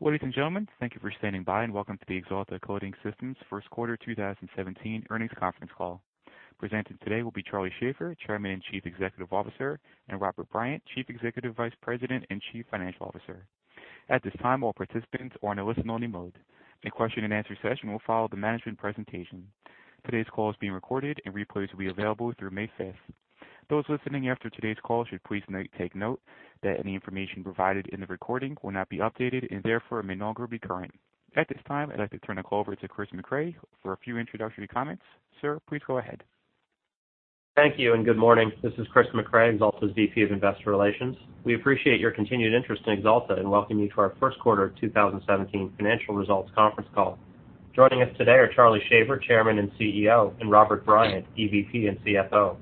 Ladies and gentlemen, thank you for standing by, and welcome to the Axalta Coating Systems First Quarter 2017 Earnings Conference Call. Presenting today will be Charlie Shaver, Chairman and Chief Executive Officer, and Robert Bryant, Chief Executive Vice President and Chief Financial Officer. At this time, all participants are in a listen-only mode. A question and answer session will follow the management presentation. Today's call is being recorded, and replays will be available through May 5th. Those listening after today's call should please take note that any information provided in the recording will not be updated and therefore may no longer be current. At this time, I'd like to turn the call over to Chris Mecray for a few introductory comments. Sir, please go ahead. Thank you, and good morning. This is Chris Mecray, Axalta's VP of Investor Relations. We appreciate your continued interest in Axalta and welcome you to our First Quarter 2017 financial results conference call. Joining us today are Charlie Shaver, Chairman and CEO, and Robert Bryant, EVP and CFO.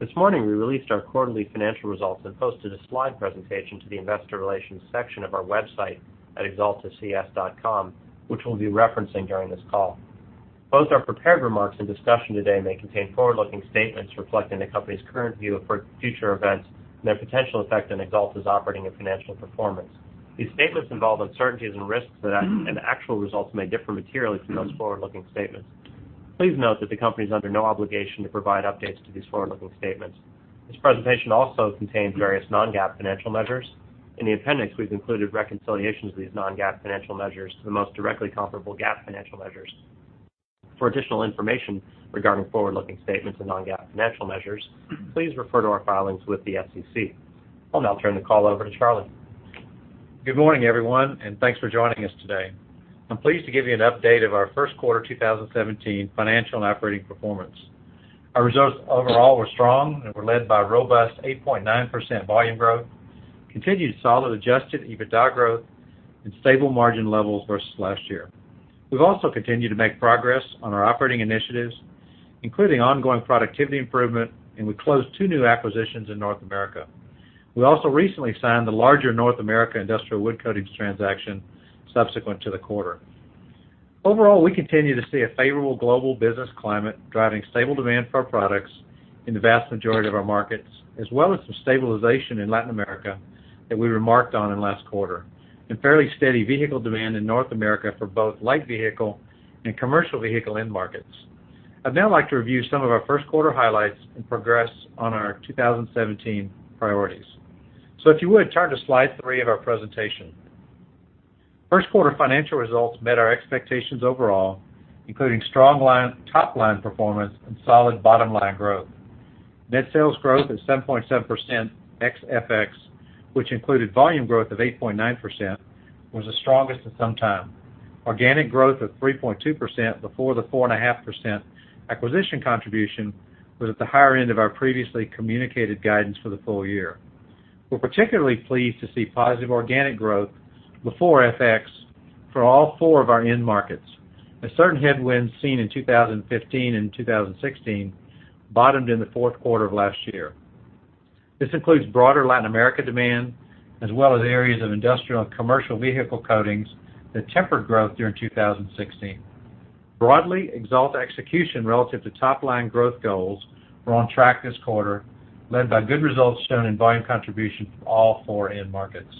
This morning, we released our quarterly financial results and posted a slide presentation to the investor relations section of our website at axalta.com, which we'll be referencing during this call. Both our prepared remarks and discussion today may contain forward-looking statements reflecting the company's current view of future events and their potential effect on Axalta's operating and financial performance. These statements involve uncertainties and risks that actual results may differ materially from those forward-looking statements. Please note that the company is under no obligation to provide updates to these forward-looking statements. This presentation also contains various non-GAAP financial measures. In the appendix, we've included reconciliations of these non-GAAP financial measures to the most directly comparable GAAP financial measures. For additional information regarding forward-looking statements and non-GAAP financial measures, please refer to our filings with the SEC. I'll now turn the call over to Charlie. Good morning, everyone, and thanks for joining us today. I'm pleased to give you an update of our First Quarter 2017 financial and operating performance. Our results overall were strong and were led by robust 8.9% volume growth, continued solid Adjusted EBITDA growth, and stable margin levels versus last year. We've also continued to make progress on our operating initiatives, including ongoing productivity improvement, and we closed two new acquisitions in North America. We also recently signed the larger North America Industrial Wood Coatings transaction subsequent to the quarter. Overall, we continue to see a favorable global business climate driving stable demand for our products in the vast majority of our markets, as well as some stabilization in Latin America that we remarked on in last quarter, and fairly steady vehicle demand in North America for both light vehicle and commercial vehicle end markets. I'd now like to review some of our first quarter highlights and progress on our 2017 priorities. If you would, turn to slide three of our presentation. First quarter financial results met our expectations overall, including strong top-line performance and solid bottom-line growth. Net sales growth is 7.7% ex FX, which included volume growth of 8.9%, was the strongest in some time. Organic growth of 3.2% before the 4.5% acquisition contribution was at the higher end of our previously communicated guidance for the full year. We're particularly pleased to see positive organic growth before FX for all four of our end markets. Certain headwinds seen in 2015 and 2016 bottomed in the fourth quarter of last year. This includes broader Latin America demand as well as areas of industrial and commercial vehicle coatings that tempered growth during 2016. Broadly, Axalta execution relative to top-line growth goals were on track this quarter, led by good results shown in volume contribution from all four end markets.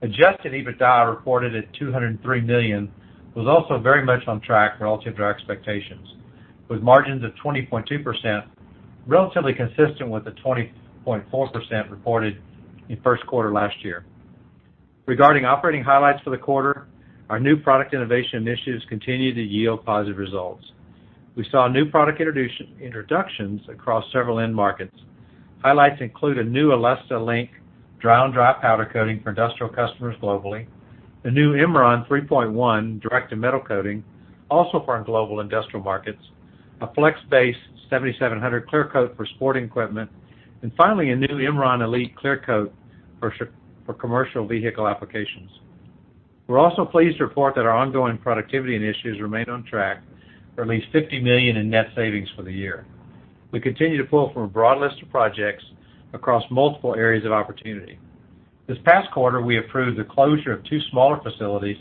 Adjusted EBITDA reported at $203 million was also very much on track relative to our expectations, with margins of 20.2%, relatively consistent with the 20.4% reported in first quarter last year. Regarding operating highlights for the quarter, our new product innovation initiatives continue to yield positive results. We saw new product introductions across several end markets. Highlights include a new Alesta-Link dry on dry powder coating for industrial customers globally, a new Imron 3.1 direct-to-metal coating also for our global industrial markets, a FlexBase 7700 clear coat for sporting equipment, and finally, a new Imron Elite clear coat for commercial vehicle applications. We're also pleased to report that our ongoing productivity initiatives remain on track for at least $50 million in net savings for the year. We continue to pull from a broad list of projects across multiple areas of opportunity. This past quarter, we approved the closure of two smaller facilities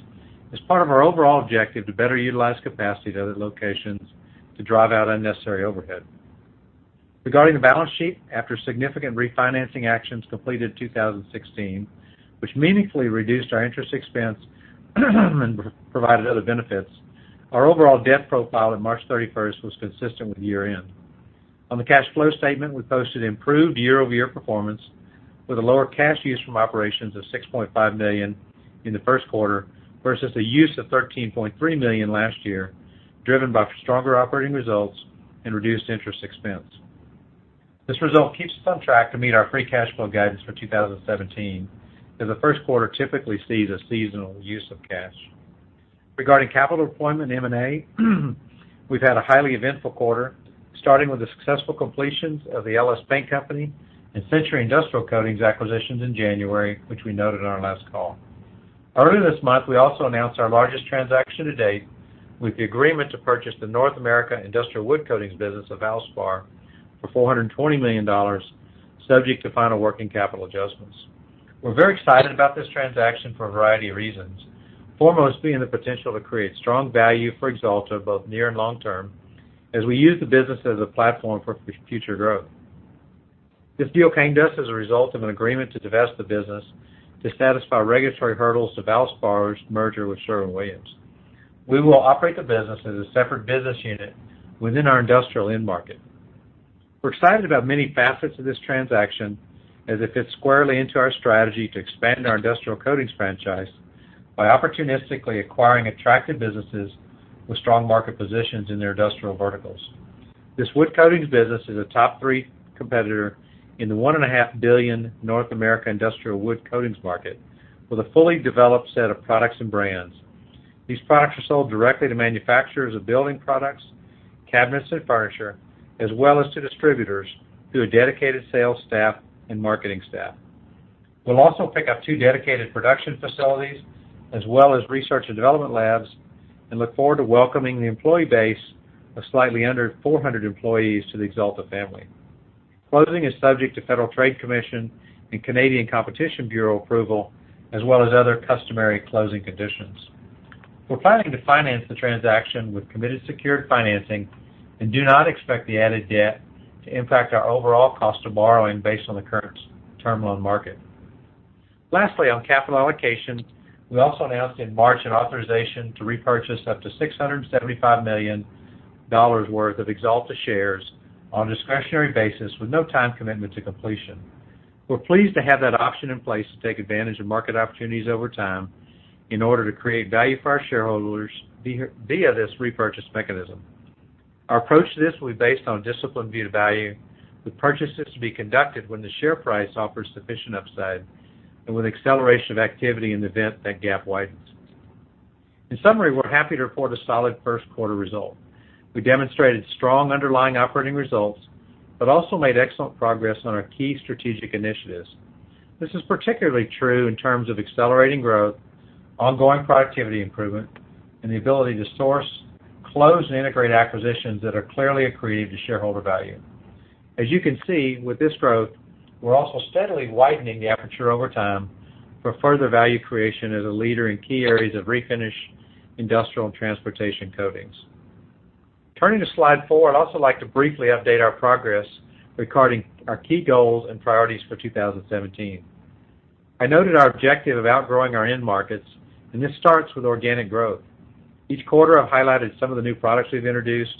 as part of our overall objective to better utilize capacity at other locations to drive out unnecessary overhead. Regarding the balance sheet, after significant refinancing actions completed in 2016, which meaningfully reduced our interest expense and provided other benefits, our overall debt profile at March 31st was consistent with year-end. On the cash flow statement, we posted improved year-over-year performance with a lower cash use from operations of $6.5 million in the first quarter versus a use of $13.3 million last year, driven by stronger operating results and reduced interest expense. This result keeps us on track to meet our free cash flow guidance for 2017, as the first quarter typically sees a seasonal use of cash. Regarding capital deployment and M&A, we've had a highly eventful quarter, starting with the successful completions of the Ellis Paint Company and Century Industrial Coatings acquisitions in January, which we noted on our last call. Earlier this month, we also announced our largest transaction to date with the agreement to purchase the North America Industrial Wood Coatings business of Valspar for $420 million, subject to final working capital adjustments. We're very excited about this transaction for a variety of reasons, foremost being the potential to create strong value for Axalta, both near and long-term, as we use the business as a platform for future growth. This deal came to us as a result of an agreement to divest the business to satisfy regulatory hurdles of Valspar's merger with Sherwin-Williams. We will operate the business as a separate business unit within our industrial end market. We're excited about many facets of this transaction, as it fits squarely into our strategy to expand our industrial coatings franchise by opportunistically acquiring attractive businesses with strong market positions in their industrial verticals. This wood coatings business is a top 3 competitor in the one and a half billion North American industrial wood coatings market with a fully developed set of products and brands. These products are sold directly to manufacturers of building products, cabinets, and furniture, as well as to distributors through a dedicated sales staff and marketing staff. We'll also pick up two dedicated production facilities, as well as research and development labs, look forward to welcoming the employee base of slightly under 400 employees to the Axalta family. Closing is subject to Federal Trade Commission and Canadian Competition Bureau approval, as well as other customary closing conditions. We're planning to finance the transaction with committed secured financing and do not expect the added debt to impact our overall cost of borrowing based on the current term loan market. Lastly, on capital allocation, we also announced in March an authorization to repurchase up to $675 million worth of Axalta shares on a discretionary basis with no time commitment to completion. We're pleased to have that option in place to take advantage of market opportunities over time in order to create value for our shareholders via this repurchase mechanism. Our approach to this will be based on a disciplined view to value, with purchases to be conducted when the share price offers sufficient upside and with acceleration of activity in the event that gap widens. In summary, we're happy to report a solid first quarter result. We demonstrated strong underlying operating results, also made excellent progress on our key strategic initiatives. This is particularly true in terms of accelerating growth, ongoing productivity improvement, and the ability to source, close, and integrate acquisitions that are clearly accretive to shareholder value. As you can see, with this growth, we're also steadily widening the aperture over time for further value creation as a leader in key areas of refinish industrial and transportation coatings. Turning to slide four, I'd also like to briefly update our progress regarding our key goals and priorities for 2017. I noted our objective of outgrowing our end markets, this starts with organic growth. Each quarter, I've highlighted some of the new products we've introduced.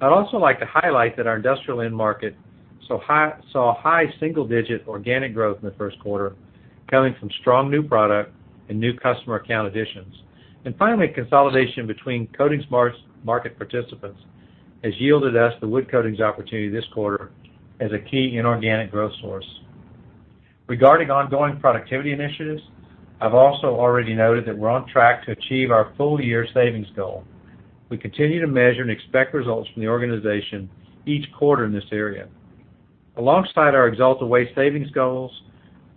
I'd also like to highlight that our industrial end market saw high single-digit organic growth in the first quarter, coming from strong new product and new customer account additions. Finally, consolidation between coatings market participants has yielded us the wood coatings opportunity this quarter as a key inorganic growth source. Regarding ongoing productivity initiatives, I've also already noted that we're on track to achieve our full-year savings goal. We continue to measure and expect results from the organization each quarter in this area. Alongside our Axalta-wide savings goals,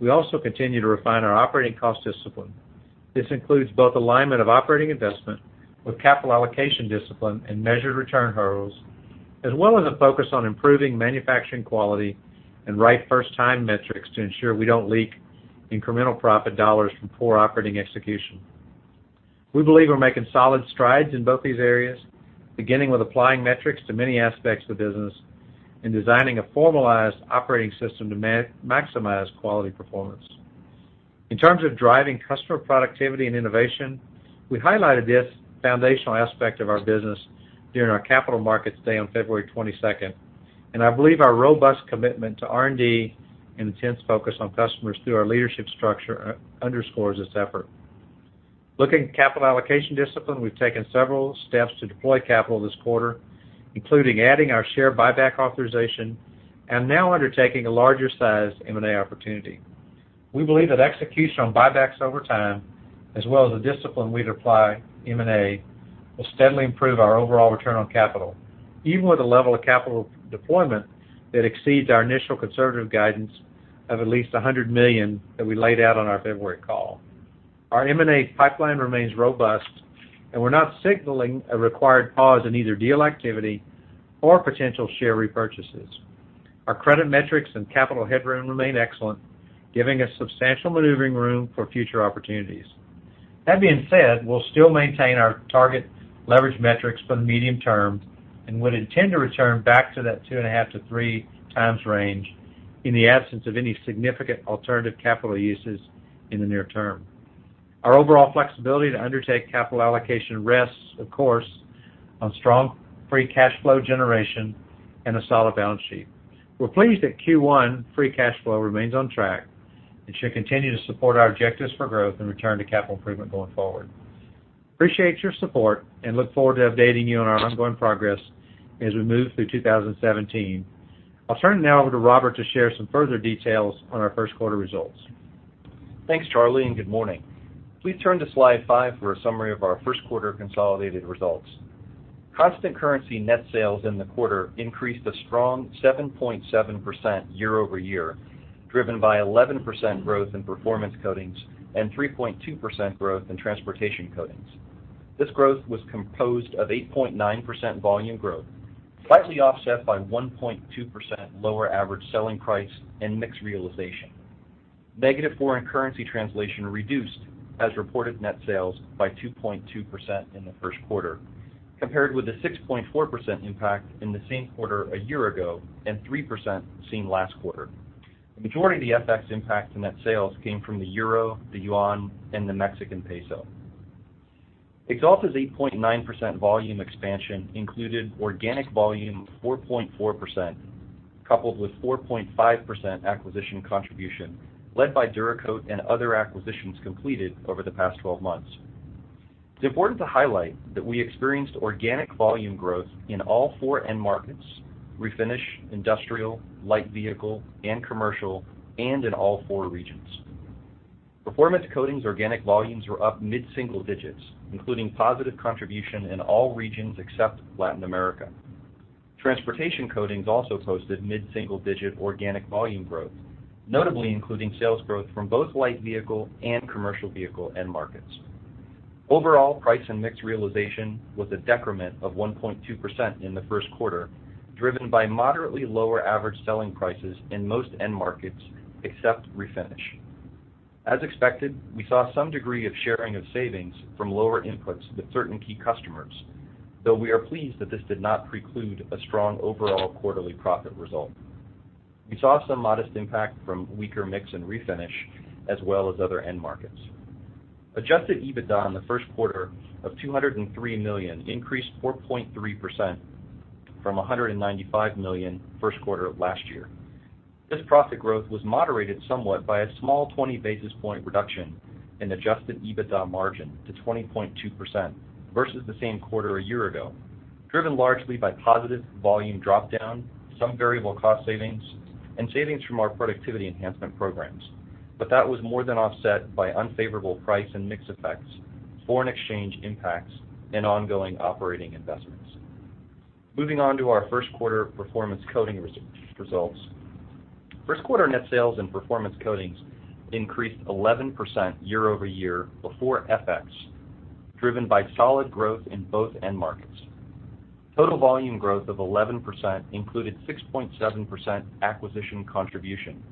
we also continue to refine our operating cost discipline. This includes both alignment of operating investment with capital allocation discipline and measured return hurdles, as well as a focus on improving manufacturing quality and right-first-time metrics to ensure we don't leak incremental profit dollars from poor operating execution. We believe we're making solid strides in both these areas, beginning with applying metrics to many aspects of the business and designing a formalized operating system to maximize quality performance. In terms of driving customer productivity and innovation, we highlighted this foundational aspect of our business during our Capital Markets Day on February 22, 2017, and I believe our robust commitment to R&D and intense focus on customers through our leadership structure underscores this effort. Looking at capital allocation discipline, we've taken several steps to deploy capital this quarter, including adding our share buyback authorization and now undertaking a larger size M&A opportunity. We believe that execution on buybacks over time, as well as the discipline we'd apply M&A, will steadily improve our overall return on capital, even with a level of capital deployment that exceeds our initial conservative guidance of at least $100 million that we laid out on our February call. Our M&A pipeline remains robust, and we're not signaling a required pause in either deal activity or potential share repurchases. Our credit metrics and capital headroom remain excellent, giving us substantial maneuvering room for future opportunities. That being said, we'll still maintain our target leverage metrics for the medium term and would intend to return back to that two and a half to three times range in the absence of any significant alternative capital uses in the near term. Our overall flexibility to undertake capital allocation rests, of course, on strong free cash flow generation and a solid balance sheet. We're pleased that Q1 free cash flow remains on track and should continue to support our objectives for growth and return to capital improvement going forward. Appreciate your support and look forward to updating you on our ongoing progress as we move through 2017. I'll turn it now over to Robert to share some further details on our first quarter results. Thanks, Charlie, and good morning. Please turn to slide five for a summary of our first quarter consolidated results. Constant currency net sales in the quarter increased a strong 7.7% year-over-year, driven by 11% growth in performance coatings and 3.2% growth in transportation coatings. This growth was composed of 8.9% volume growth, slightly offset by 1.2% lower average selling price and mix realization. Negative foreign currency translation reduced as reported net sales by 2.2% in the first quarter, compared with the 6.4% impact in the same quarter a year ago and 3% seen last quarter. The majority of the FX impact to net sales came from the euro, the yuan, and the Mexican peso. Axalta's 8.9% volume expansion included organic volume of 4.4%, coupled with 4.5% acquisition contribution led by Duracoat and other acquisitions completed over the past 12 months. It's important to highlight that we experienced organic volume growth in all four end markets, Refinish, Industrial, Light Vehicle, and Commercial, and in all four regions. Performance Coatings organic volumes were up mid-single digits, including positive contribution in all regions except Latin America. Transportation Coatings also posted mid-single digit organic volume growth, notably including sales growth from both Light Vehicle and Commercial Vehicle end markets. Overall price and mix realization was a decrement of 1.2% in the first quarter, driven by moderately lower average selling prices in most end markets except Refinish. As expected, we saw some degree of sharing of savings from lower inputs with certain key customers, though we are pleased that this did not preclude a strong overall quarterly profit result. We saw some modest impact from weaker mix in Refinish as well as other end markets. Adjusted EBITDA in the first quarter of $203 million increased 4.3% from $195 million first quarter of last year. This profit growth was moderated somewhat by a small 20 basis point reduction in Adjusted EBITDA margin to 20.2% versus the same quarter a year ago, driven largely by positive volume drop down, some variable cost savings, and savings from our productivity enhancement programs. That was more than offset by unfavorable price and mix effects, foreign exchange impacts, and ongoing operating investments. Moving on to our first quarter Performance Coatings results. First quarter net sales in Performance Coatings increased 11% year-over-year before FX, driven by solid growth in both end markets. Total volume growth of 11% included 6.7% acquisition contribution,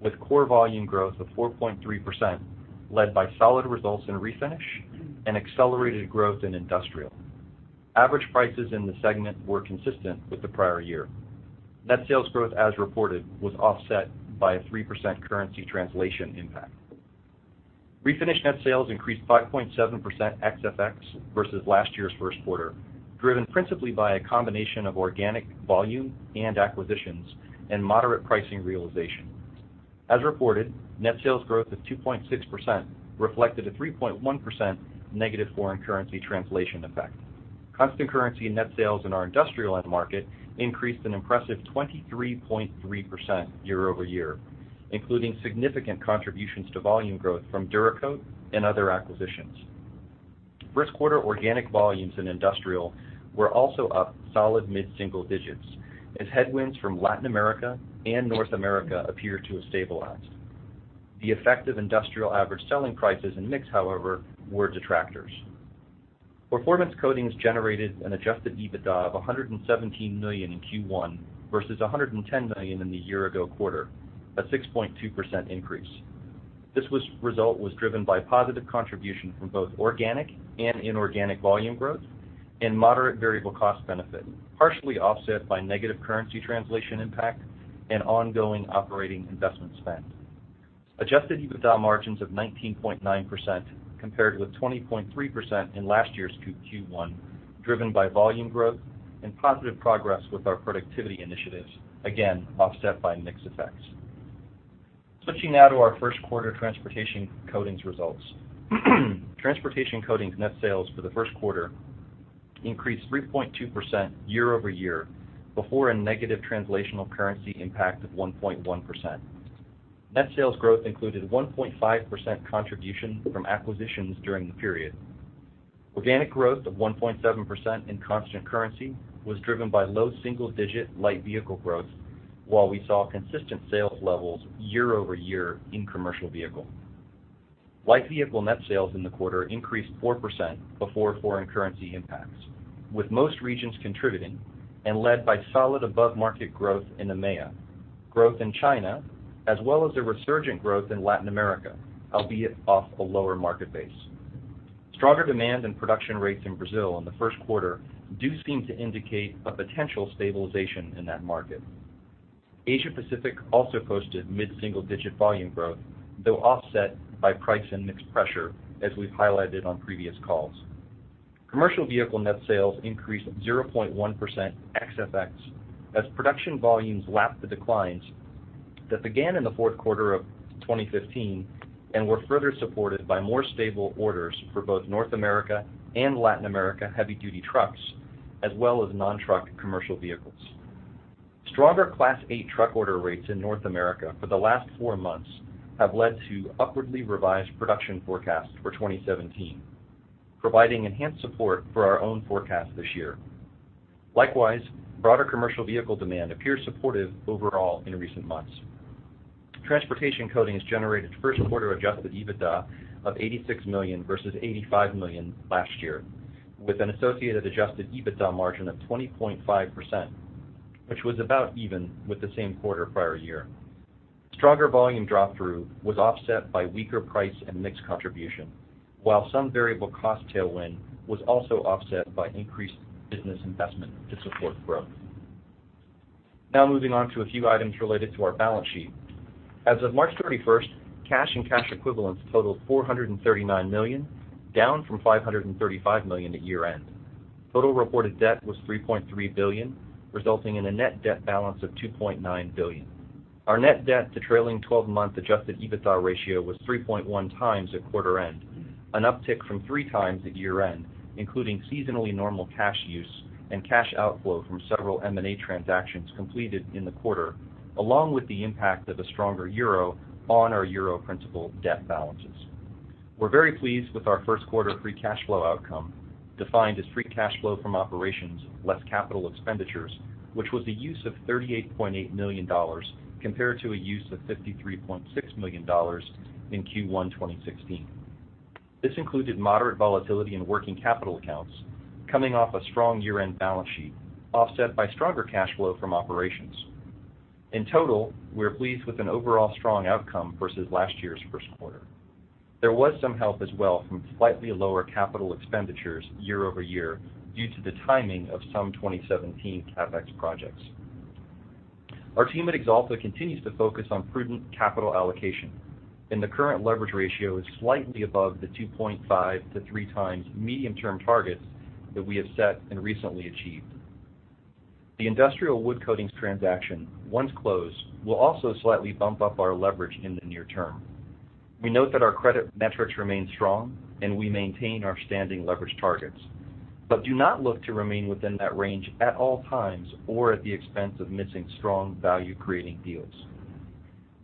with core volume growth of 4.3%, led by solid results in Refinish and accelerated growth in Industrial. Average prices in the segment were consistent with the prior year. Net sales growth as reported was offset by a 3% currency translation impact. Refinish net sales increased 5.7% ex FX versus last year's first quarter, driven principally by a combination of organic volume and acquisitions and moderate pricing realization. As reported, net sales growth of 2.6% reflected a 3.1% negative foreign currency translation effect. Constant currency net sales in our Industrial end market increased an impressive 23.3% year-over-year, including significant contributions to volume growth from Duracoat and other acquisitions. First quarter organic volumes in Industrial were also up solid mid-single digits as headwinds from Latin America and North America appear to have stabilized. The effect of Industrial average selling prices and mix, however, were detractors. Performance Coatings generated an Adjusted EBITDA of $117 million in Q1 versus $110 million in the year ago quarter, a 6.2% increase. This result was driven by positive contribution from both organic and inorganic volume growth and moderate variable cost benefit, partially offset by negative currency translation impact and ongoing operating investment spend. Adjusted EBITDA margins of 19.9% compared with 20.3% in last year's Q1, driven by volume growth and positive progress with our productivity initiatives, again offset by mix effects. Switching now to our first quarter Transportation Coatings results. Transportation Coatings net sales for the first quarter increased 3.2% year-over-year before a negative translational currency impact of 1.1%. Net sales growth included 1.5% contribution from acquisitions during the period. Organic growth of 1.7% in constant currency was driven by low single digit Light Vehicle growth, while we saw consistent sales levels year-over-year in Commercial Vehicle. Light Vehicle net sales in the quarter increased 4% before foreign currency impacts, with most regions contributing and led by solid above-market growth in EMEA, growth in China, as well as a resurgent growth in Latin America, albeit off a lower market base. Stronger demand and production rates in Brazil in the first quarter do seem to indicate a potential stabilization in that market. Asia Pacific also posted mid-single digit volume growth, though offset by price and mix pressure as we've highlighted on previous calls. Commercial Vehicle net sales increased 0.1% ex FX as production volumes lapped the declines that began in the fourth quarter of 2015 and were further supported by more stable orders for both North America and Latin America heavy duty trucks, as well as non-truck commercial vehicles. Broader commercial vehicle demand appears supportive overall in recent months. Transportation Coatings generated first quarter Adjusted EBITDA of $86 million versus $85 million last year, with an associated Adjusted EBITDA margin of 20.5%, which was about even with the same quarter prior year. Stronger volume drop through was offset by weaker price and mix contribution, while some variable cost tailwind was also offset by increased business investment to support growth. Now moving on to a few items related to our balance sheet. As of March 31st, cash and cash equivalents totaled $439 million, down from $535 million at year-end. Total reported debt was $3.3 billion, resulting in a net debt balance of $2.9 billion. Our net debt to trailing 12-month Adjusted EBITDA ratio was 3.1 times at quarter end, an uptick from three times at year-end, including seasonally normal cash use and cash outflow from several M&A transactions completed in the quarter, along with the impact of a stronger EUR on our EUR principal debt balances. We're very pleased with our first quarter free cash flow outcome, defined as free cash flow from operations less capital expenditures, which was a use of $38.8 million compared to a use of $53.6 million in Q1 2016. This included moderate volatility in working capital accounts coming off a strong year-end balance sheet, offset by stronger cash flow from operations. In total, we are pleased with an overall strong outcome versus last year's first quarter. There was some help as well from slightly lower capital expenditures year-over-year due to the timing of some 2017 CapEx projects. Our team at Axalta continues to focus on prudent capital allocation, and the current leverage ratio is slightly above the 2.5-3x medium-term targets that we have set and recently achieved. The industrial wood coatings transaction, once closed, will also slightly bump up our leverage in the near term. We note that our credit metrics remain strong, and we maintain our standing leverage targets, but do not look to remain within that range at all times or at the expense of missing strong value-creating deals.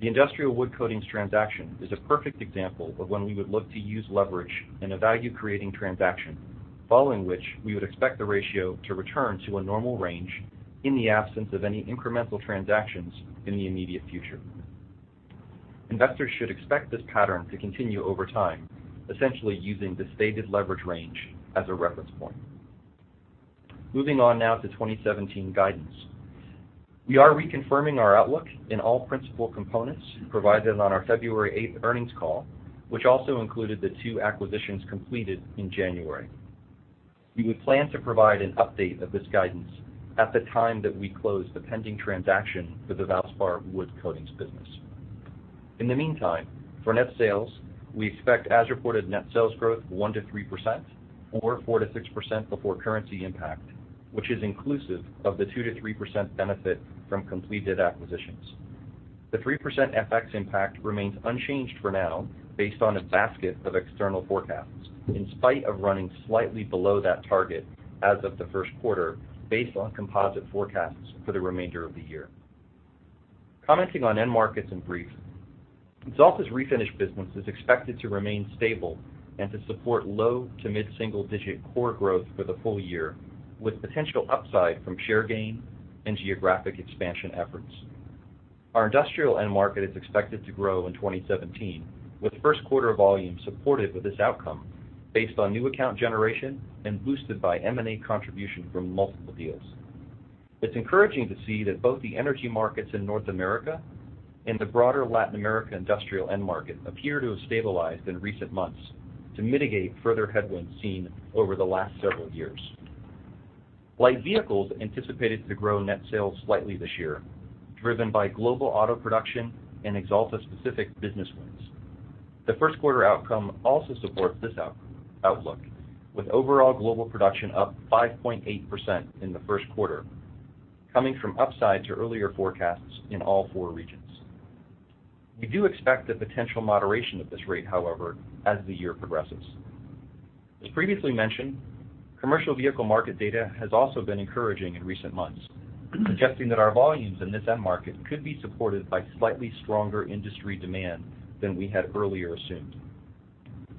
The industrial wood coatings transaction is a perfect example of when we would look to use leverage in a value-creating transaction, following which we would expect the ratio to return to a normal range in the absence of any incremental transactions in the immediate future. Investors should expect this pattern to continue over time, essentially using the stated leverage range as a reference point. Moving on now to 2017 guidance. We are reconfirming our outlook in all principal components provided on our February 8th earnings call, which also included the two acquisitions completed in January. We would plan to provide an update of this guidance at the time that we close the pending transaction for the Valspar wood coatings business. In the meantime, for net sales, we expect as-reported net sales growth 1%-3%, or 4%-6% before currency impact, which is inclusive of the 2%-3% benefit from completed acquisitions. The 3% FX impact remains unchanged for now based on a basket of external forecasts, in spite of running slightly below that target as of the first quarter based on composite forecasts for the remainder of the year. Commenting on end markets in brief. Axalta's refinish business is expected to remain stable and to support low- to mid-single digit core growth for the full year, with potential upside from share gain and geographic expansion efforts. Our industrial end market is expected to grow in 2017, with first quarter volume supported with this outcome based on new account generation and boosted by M&A contribution from multiple deals. It's encouraging to see that both the energy markets in North America and the broader Latin America industrial end market appear to have stabilized in recent months to mitigate further headwinds seen over the last several years. Light vehicles anticipated to grow net sales slightly this year, driven by global auto production and Axalta-specific business wins. The first quarter outcome also supports this outlook, with overall global production up 5.8% in the first quarter, coming from upside to earlier forecasts in all four regions. We do expect a potential moderation of this rate, however, as the year progresses. As previously mentioned, commercial vehicle market data has also been encouraging in recent months, suggesting that our volumes in this end market could be supported by slightly stronger industry demand than we had earlier assumed.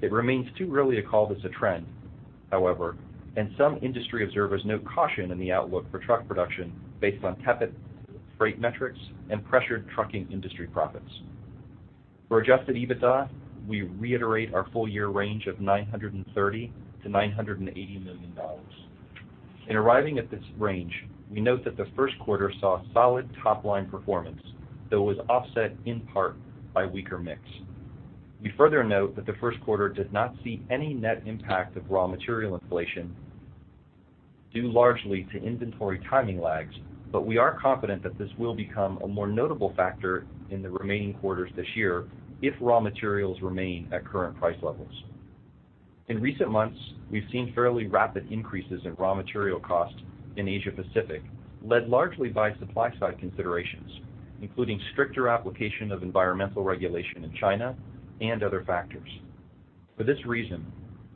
It remains too early to call this a trend, however, and some industry observers note caution in the outlook for truck production based on tepid freight metrics and pressured trucking industry profits. For Adjusted EBITDA, we reiterate our full year range of $930 million-$980 million. In arriving at this range, we note that the first quarter saw solid top-line performance, though it was offset in part by weaker mix. We further note that the first quarter did not see any net impact of raw material inflation, due largely to inventory timing lags, but we are confident that this will become a more notable factor in the remaining quarters this year if raw materials remain at current price levels. In recent months, we've seen fairly rapid increases in raw material cost in Asia Pacific, led largely by supply side considerations, including stricter application of environmental regulation in China and other factors. For this reason,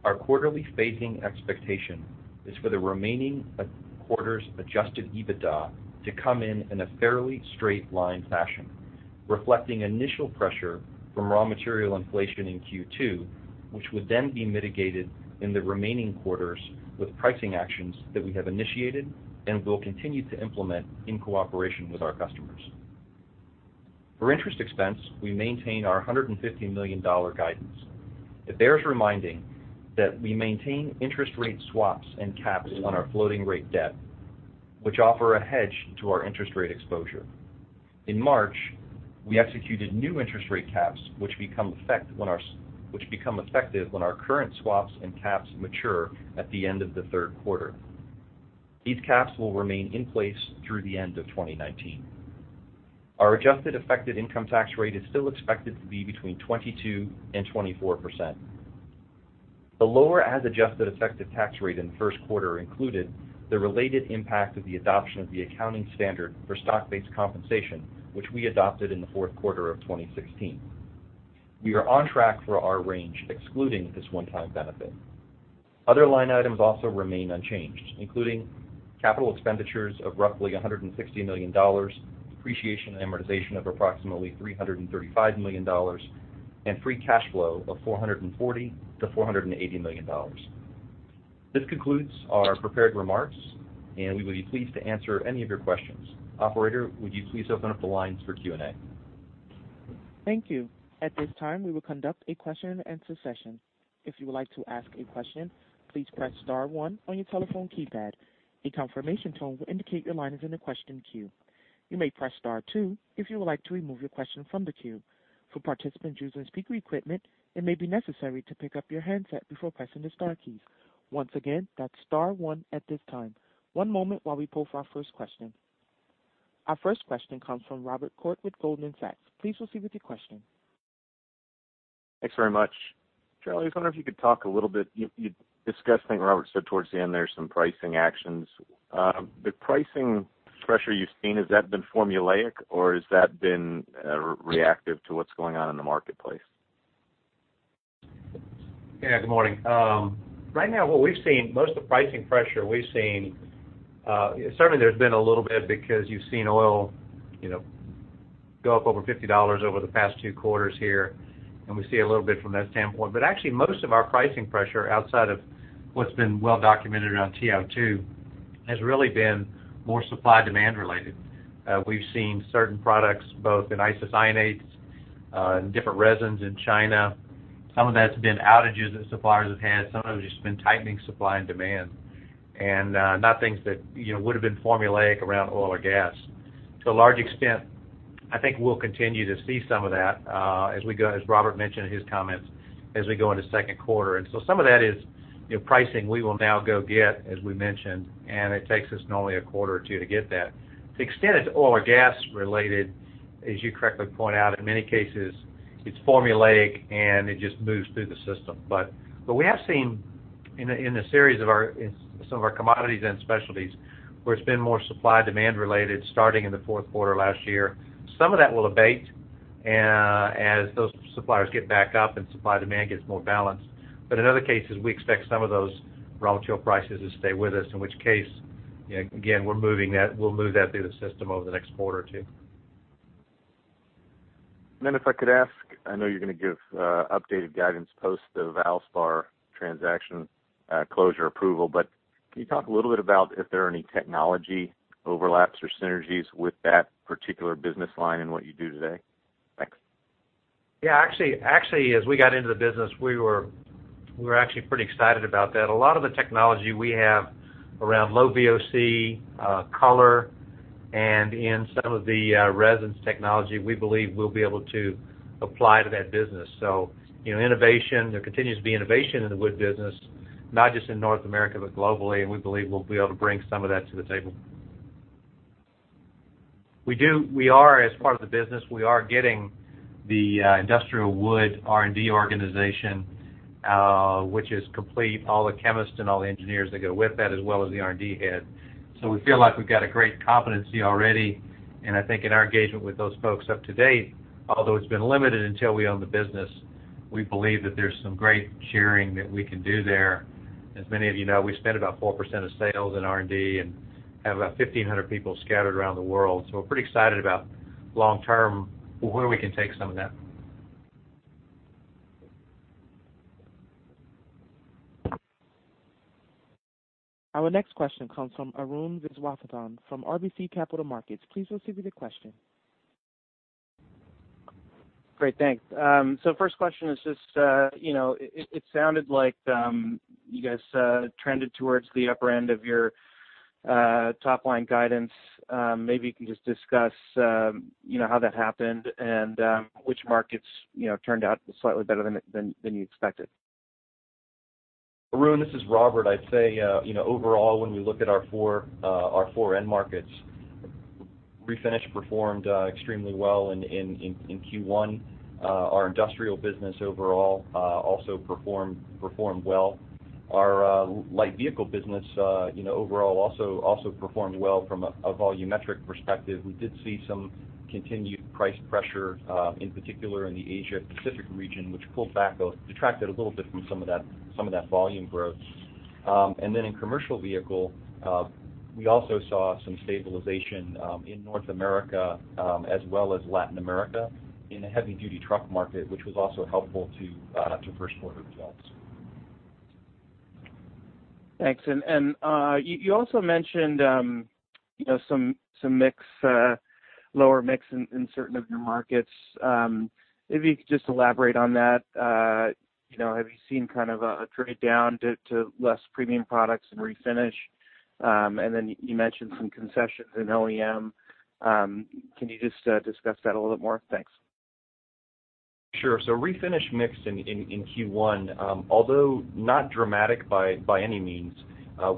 our quarterly phasing expectation is for the remaining quarters' Adjusted EBITDA to come in in a fairly straight line fashion, reflecting initial pressure from raw material inflation in Q2, which would then be mitigated in the remaining quarters with pricing actions that we have initiated and will continue to implement in cooperation with our customers. For interest expense, we maintain our $150 million guidance. It bears reminding that we maintain interest rate swaps and caps on our floating rate debt, which offer a hedge to our interest rate exposure. In March, we executed new interest rate caps, which become effective when our current swaps and caps mature at the end of the third quarter. These caps will remain in place through the end of 2019. Our adjusted effective income tax rate is still expected to be between 22% and 24%. The lower as-adjusted effective tax rate in the first quarter included the related impact of the adoption of the accounting standard for stock-based compensation, which we adopted in the fourth quarter of 2016. We are on track for our range, excluding this one-time benefit. Other line items also remain unchanged, including capital expenditures of roughly $160 million, depreciation and amortization of approximately $335 million, and free cash flow of $440 million-$480 million. This concludes our prepared remarks, and we will be pleased to answer any of your questions. Operator, would you please open up the lines for Q&A? Thank you. At this time, we will conduct a question-and-answer session. If you would like to ask a question, please press star one on your telephone keypad. A confirmation tone will indicate your line is in the question queue. You may press star two if you would like to remove your question from the queue. For participants using speaker equipment, it may be necessary to pick up your handset before pressing the star keys. Once again, that's star one at this time. One moment while we poll for our first question. Our first question comes from Robert Koort with Goldman Sachs. Please proceed with your question. Thanks very much. Charlie, I was wondering if you could talk a little bit. You discussed, I think Robert said towards the end there, some pricing actions. The pricing pressure you've seen, has that been formulaic, or has that been reactive to what's going on in the marketplace? Yeah. Good morning. Right now, most of the pricing pressure we've seen, certainly there's been a little bit because you've seen oil go up over $50 over the past two quarters here, and we see a little bit from that standpoint. Actually, most of our pricing pressure, outside of what's been well documented around TiO2, has really been more supply-demand related. We've seen certain products both in isocyanates and different resins in China. Some of that's been outages that suppliers have had. Some of it's just been tightening supply and demand. Not things that would've been formulaic around oil or gas. To a large extent, I think we'll continue to see some of that as Robert mentioned in his comments, as we go into the second quarter. Some of that is pricing we will now go get, as we mentioned, and it takes us normally a quarter or two to get that. To the extent it's oil or gas related, as you correctly point out, in many cases, it's formulaic, and it just moves through the system. We have seen in some of our commodities and specialties where it's been more supply-demand related starting in the fourth quarter last year. Some of that will abate as those suppliers get back up and supply-demand gets more balanced. In other cases, we expect some of those raw material prices to stay with us, in which case, again, we'll move that through the system over the next quarter or two. If I could ask, I know you're going to give updated guidance post the Valspar transaction closure approval, but can you talk a little bit about if there are any technology overlaps or synergies with that particular business line in what you do today? Thanks. Yeah. Actually, as we got into the business, we were actually pretty excited about that. A lot of the technology we have around low VOC, color, and in some of the resins technology we believe we'll be able to apply to that business. There continues to be innovation in the wood business, not just in North America, but globally, and we believe we'll be able to bring some of that to the table. As part of the business, we are getting the industrial wood R&D organization, which is complete. All the chemists and all the engineers that go with that, as well as the R&D head. We feel like we've got a great competency already, and I think in our engagement with those folks up to date, although it's been limited until we own the business, we believe that there's some great sharing that we can do there. As many of you know, we spend about 4% of sales in R&D and have about 1,500 people scattered around the world. We're pretty excited about long-term, where we can take some of that. Our next question comes from Arun Viswanathan from RBC Capital Markets. Please proceed with your question. Great, thanks. First question is just, it sounded like you guys trended towards the upper end of your top-line guidance. Maybe you can just discuss how that happened and which markets turned out slightly better than you expected. Arun, this is Robert. I'd say, overall, when we look at our four end markets, Refinish performed extremely well in Q1. Our industrial business overall also performed well. Our Light Vehicle business overall also performed well from a volumetric perspective. We did see some continued price pressure, in particular in the Asia-Pacific region, which pulled back or detracted a little bit from some of that volume growth. In Commercial Vehicle, we also saw some stabilization in North America as well as Latin America in the heavy-duty truck market, which was also helpful to first quarter results. Thanks. You also mentioned some lower mix in certain of your markets. If you could just elaborate on that. Have you seen a trade-down to less premium products and refinish? You mentioned some concessions in OEM. Can you just discuss that a little bit more? Thanks. Sure. Refinish mix in Q1, although not dramatic by any means,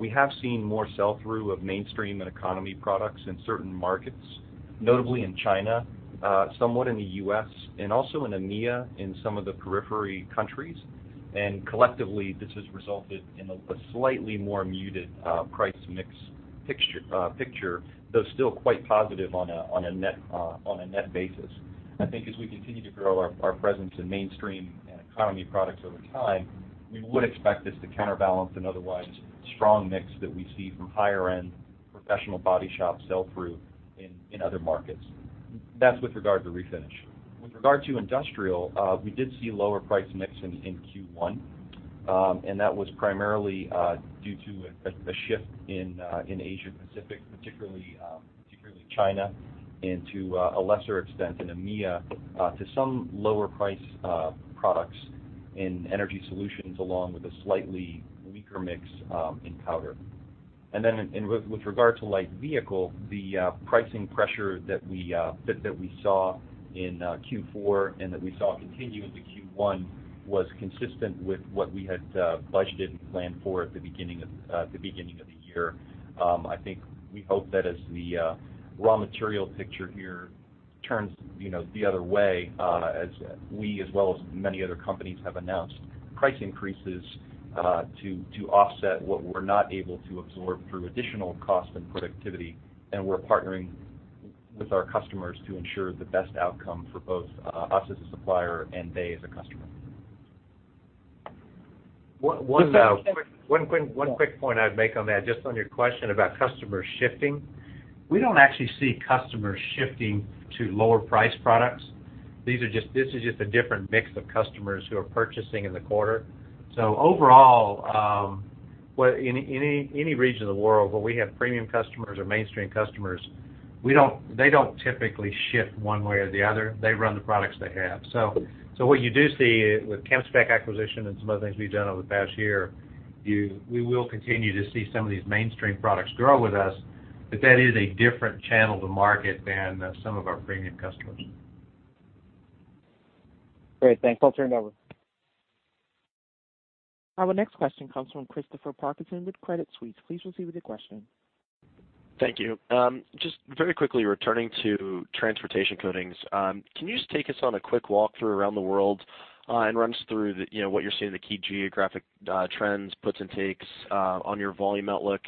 we have seen more sell-through of mainstream and economy products in certain markets, notably in China, somewhat in the U.S., and also in EMEA, in some of the periphery countries. Collectively, this has resulted in a slightly more muted price mix picture, though still quite positive on a net basis. I think as we continue to grow our presence in mainstream and economy products over time, we would expect this to counterbalance an otherwise strong mix that we see from higher-end professional body shop sell-through in other markets. That's with regard to refinish. With regard to industrial, we did see lower price mix in Q1, that was primarily due to a shift in Asia Pacific, particularly China, to a lesser extent in EMEA, to some lower price products in energy solutions, along with a slightly weaker mix in powder. With regard to light vehicle, the pricing pressure that we saw in Q4 and that we saw continue into Q1 was consistent with what we had budgeted and planned for at the beginning of the year. I think we hope that as the raw material picture here turns the other way, as we, as well as many other companies, have announced price increases to offset what we're not able to absorb through additional cost and productivity, and we're partnering with our customers to ensure the best outcome for both us as a supplier and they as a customer. One quick point I'd make on that, just on your question about customers shifting. We don't actually see customers shifting to lower price products. This is just a different mix of customers who are purchasing in the quarter. Overall, any region of the world where we have premium customers or mainstream customers, they don't typically shift one way or the other. They run the products they have. What you do see with ChemSpec acquisition and some other things we've done over the past year, we will continue to see some of these mainstream products grow with us, but that is a different channel to market than some of our premium customers. Great. Thanks. I'll turn it over. Our next question comes from Christopher Parkinson with Credit Suisse. Please proceed with your question. Thank you. Just very quickly returning to transportation coatings, can you just take us on a quick walkthrough around the world and run us through what you're seeing, the key geographic trends, puts and takes on your volume outlook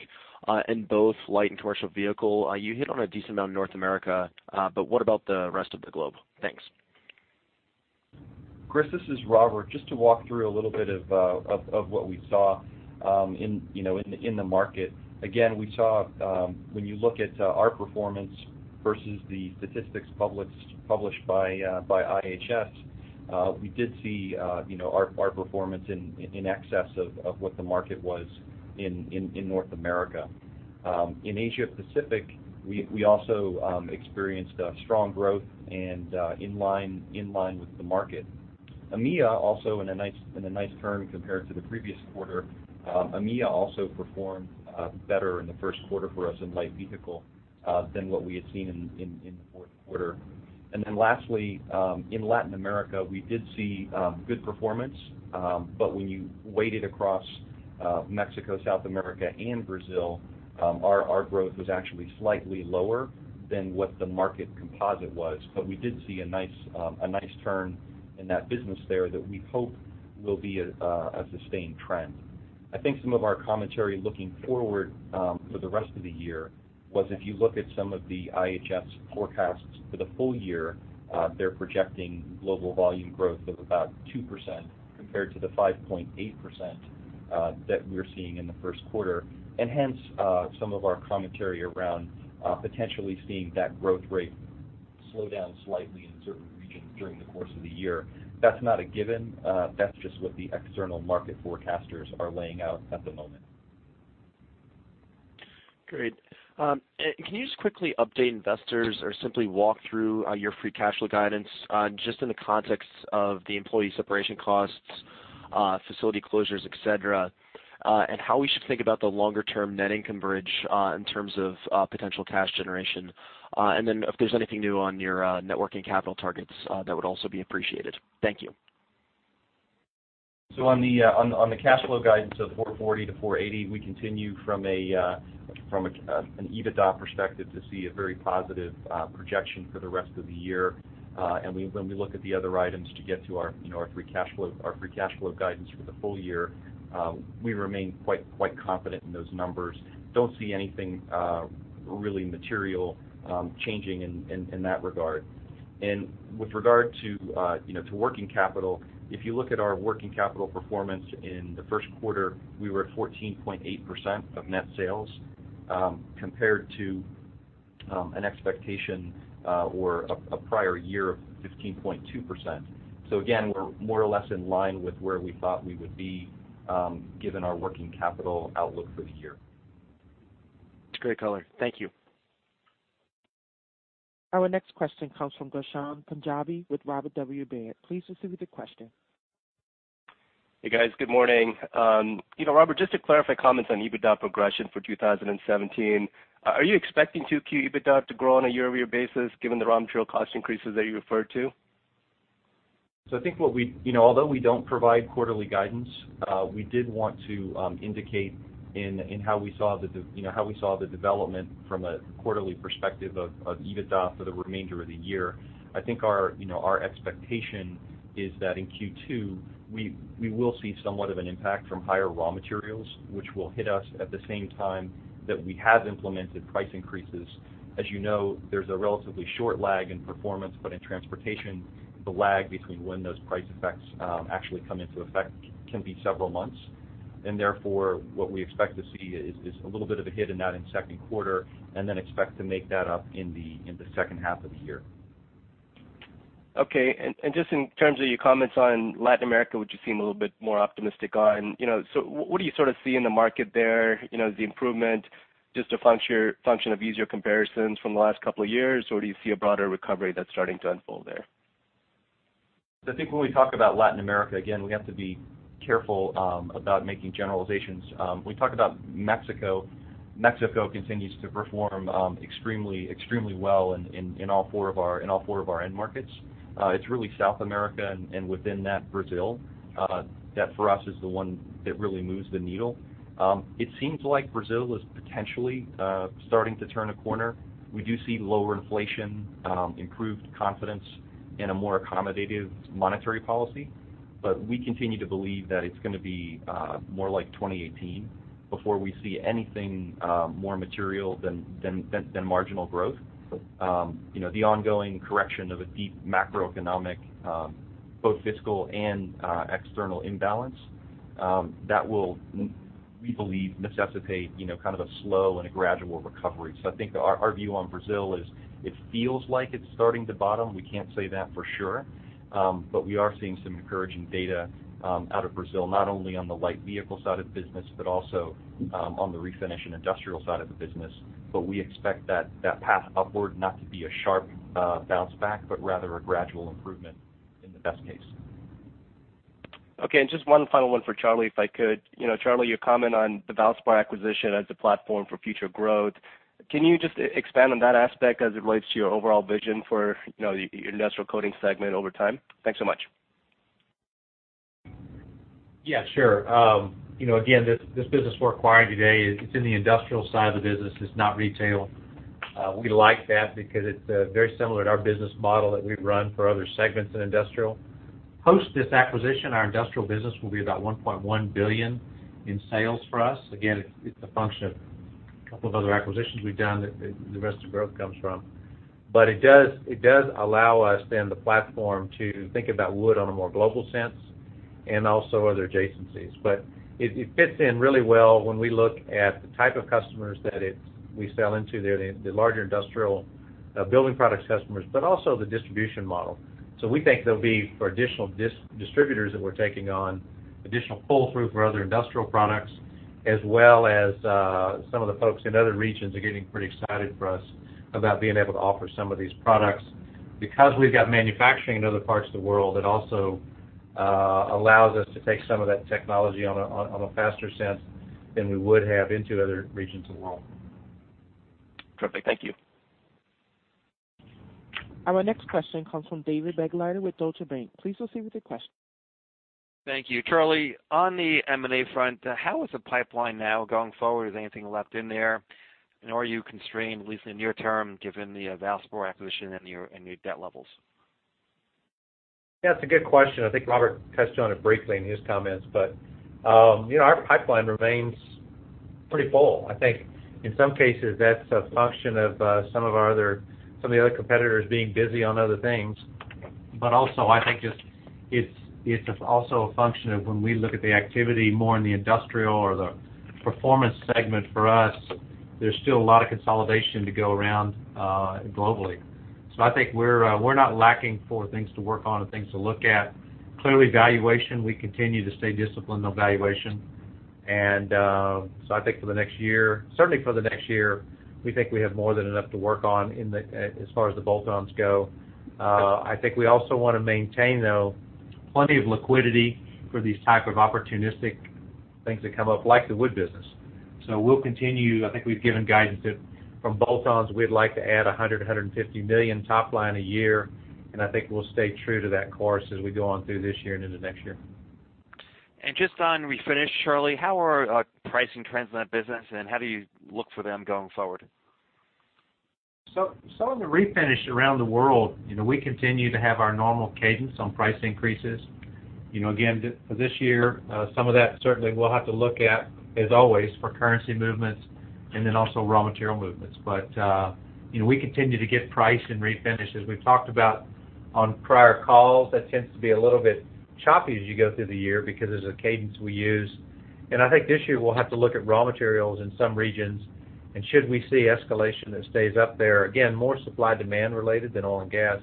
in both light and commercial vehicle? You hit on a decent amount of North America, but what about the rest of the globe? Thanks. Chris, this is Robert. Just to walk through a little bit of what we saw in the market. Again, when you look at our performance versus the statistics published by IHS, we did see our performance in excess of what the market was in North America. In Asia Pacific, we also experienced strong growth and in line with the market. EMEA also in a nice turn compared to the previous quarter, EMEA also performed better in the first quarter for us in light vehicle than what we had seen in the fourth quarter. Lastly, in Latin America, we did see good performance. When you weighted across Mexico, South America, and Brazil, our growth was actually slightly lower than what the market composite was. We did see a nice turn in that business there that we hope will be a sustained trend. I think some of our commentary looking forward for the rest of the year was if you look at some of the IHS forecasts for the full year, they're projecting global volume growth of about 2% compared to the 5.8% that we're seeing in the first quarter. Hence, some of our commentary around potentially seeing that growth rate slow down slightly in certain regions during the course of the year. That's not a given. That's just what the external market forecasters are laying out at the moment. Great. Can you just quickly update investors or simply walk through your free cash flow guidance, just in the context of the employee separation costs, facility closures, et cetera, and how we should think about the longer-term net income bridge in terms of potential cash generation? If there's anything new on your net working capital targets, that would also be appreciated. Thank you. On the cash flow guidance of 440 to 480, we continue from an EBITDA perspective to see a very positive projection for the rest of the year. When we look at the other items to get to our free cash flow guidance for the full year, we remain quite confident in those numbers. Don't see anything really material changing in that regard. With regard to working capital, if you look at our working capital performance in the first quarter, we were at 14.8% of net sales, compared to an expectation or a prior year of 15.2%. Again, we're more or less in line with where we thought we would be, given our working capital outlook for the year. Great color. Thank you. Our next question comes from Ghansham Panjabi with Robert W. Baird. Please proceed with your question. Hey, guys. Good morning. Robert, just to clarify comments on EBITDA progression for 2017, are you expecting 2Q EBITDA to grow on a year-over-year basis, given the raw material cost increases that you referred to? I think although we don't provide quarterly guidance, we did want to indicate in how we saw the development from a quarterly perspective of EBITDA for the remainder of the year. I think our expectation is that in Q2, we will see somewhat of an impact from higher raw materials, which will hit us at the same time that we have implemented price increases. As you know, there's a relatively short lag in performance, but in transportation, the lag between when those price effects actually come into effect can be several months. Therefore, what we expect to see is a little bit of a hit in that in second quarter, then expect to make that up in the second half of the year. Okay. Just in terms of your comments on Latin America, which you seem a little bit more optimistic on, what do you sort of see in the market there? Is the improvement just a function of easier comparisons from the last couple of years, or do you see a broader recovery that's starting to unfold there? I think when we talk about Latin America, again, we have to be careful about making generalizations. We talk about Mexico. Mexico continues to perform extremely well in all four of our end markets. It's really South America and within that, Brazil, that for us is the one that really moves the needle. It seems like Brazil is potentially starting to turn a corner. We do see lower inflation, improved confidence, and a more accommodative monetary policy. We continue to believe that it's going to be more like 2018 before we see anything more material than marginal growth. The ongoing correction of a deep macroeconomic, both fiscal and external imbalance, that will, we believe, necessitate kind of a slow and a gradual recovery. I think our view on Brazil is it feels like it's starting to bottom. We can't say that for sure. We are seeing some encouraging data out of Brazil, not only on the light vehicle side of the business, but also on the refinish and industrial side of the business. We expect that path upward not to be a sharp bounce back, but rather a gradual improvement in the best case. Just one final one for Charlie, if I could. Charlie, your comment on the Valspar acquisition as a platform for future growth, can you just expand on that aspect as it relates to your overall vision for your industrial coating segment over time? Thanks so much. This business we're acquiring today, it's in the industrial side of the business. It's not retail. We like that because it's very similar to our business model that we've run for other segments in industrial. Post this acquisition, our industrial business will be about $1.1 billion in sales for us. Again, it's a function of a couple of other acquisitions we've done that the rest of the growth comes from. It does allow us then the platform to think about wood on a more global sense and also other adjacencies. It fits in really well when we look at the type of customers that we sell into. They're the larger industrial building products customers, but also the distribution model. We think there'll be, for additional distributors that we're taking on, additional pull-through for other industrial products, as well as some of the folks in other regions are getting pretty excited for us about being able to offer some of these products. We've got manufacturing in other parts of the world, it also allows us to take some of that technology on a faster sense than we would have into other regions of the world. Terrific. Thank you. Our next question comes from David Begleiter with Deutsche Bank. Please proceed with your question. Thank you. Charlie, on the M&A front, how is the pipeline now going forward? Is anything left in there? Are you constrained, at least in near term, given the Valspar acquisition and your debt levels? That's a good question. I think Robert touched on it briefly in his comments. Our pipeline remains pretty full. I think in some cases, that's a function of some of the other competitors being busy on other things. Also I think it's also a function of when we look at the activity more in the industrial or the performance segment for us, there's still a lot of consolidation to go around globally. I think we're not lacking for things to work on and things to look at. Clearly, valuation, we continue to stay disciplined on valuation. I think for the next year, certainly for the next year, we think we have more than enough to work on as far as the bolt-ons go. I think we also want to maintain, though, plenty of liquidity for these type of opportunistic things that come up, like the wood business. We'll continue. I think we've given guidance that from bolt-ons, we'd like to add $100 million-$150 million top line a year, and I think we'll stay true to that course as we go on through this year and into next year. Just on refinish, Charlie, how are pricing trends in that business, and how do you look for them going forward? In the refinish around the world, we continue to have our normal cadence on price increases. Again, for this year, some of that certainly we'll have to look at, as always, for currency movements and then also raw material movements. We continue to get price in refinish. As we've talked about on prior calls, that tends to be a little bit choppy as you go through the year because there's a cadence we use. I think this year we'll have to look at raw materials in some regions, and should we see escalation that stays up there, again, more supply-demand related than oil and gas.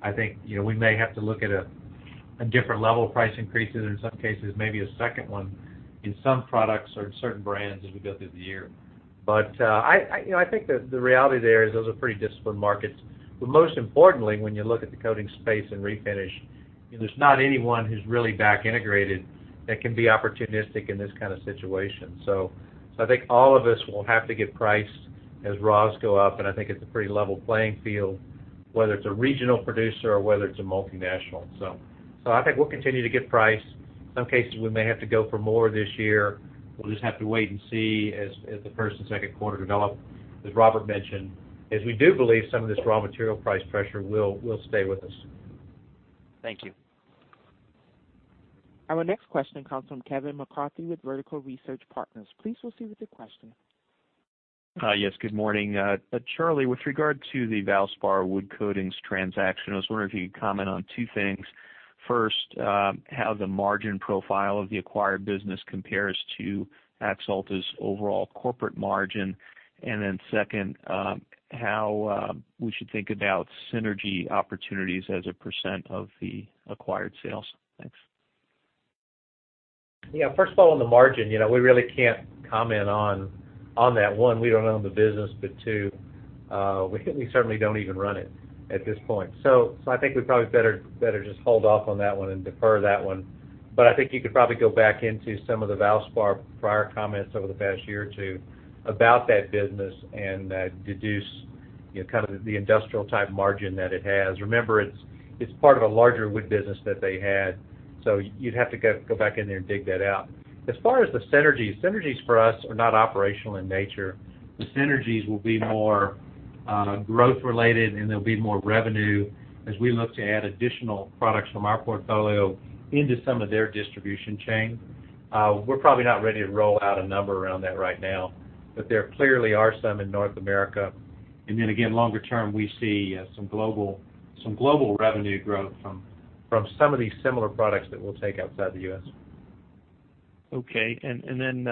I think we may have to look at a different level of price increases, in some cases maybe a second one in some products or certain brands as we go through the year. I think that the reality there is those are pretty disciplined markets. Most importantly, when you look at the coatings space and refinish, there's not anyone who's really back-integrated that can be opportunistic in this kind of situation. I think all of us will have to give price as raws go up, and I think it's a pretty level playing field, whether it's a regional producer or whether it's a multinational. I think we'll continue to give price. In some cases, we may have to go for more this year. We'll just have to wait and see as the first and second quarter develop. As Robert mentioned, as we do believe some of this raw material price pressure will stay with us. Thank you. Our next question comes from Kevin McCarthy with Vertical Research Partners. Please proceed with your question. Hi. Yes, good morning. Charlie, with regard to the Valspar wood coatings transaction, I was wondering if you could comment on two things. First, how the margin profile of the acquired business compares to Axalta's overall corporate margin, and then second, how we should think about synergy opportunities as a % of the acquired sales. Thanks. Yeah. First of all, on the margin, we really can't comment on that. One, we don't own the business, but two, we certainly don't even run it at this point. I think we probably better just hold off on that one and defer that one. I think you could probably go back into some of the Valspar prior comments over the past year or two about that business and deduce kind of the industrial type margin that it has. Remember, it's part of a larger wood business that they had. You'd have to go back in there and dig that out. As far as the synergies for us are not operational in nature. The synergies will be more growth related, and there'll be more revenue as we look to add additional products from our portfolio into some of their distribution chain. We're probably not ready to roll out a number around that right now, but there clearly are some in North America. Then again, longer term, we see some global revenue growth from some of these similar products that we'll take outside the U.S. Okay. Then